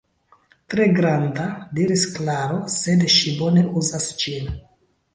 Tre granda, diris Klaro, sed ŝi bone uzas ĝin.